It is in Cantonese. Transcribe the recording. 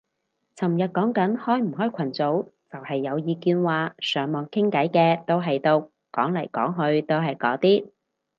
尋日講緊開唔開群組，就係有意見話要上網傾偈嘅都係毒，講嚟講去都係嗰啲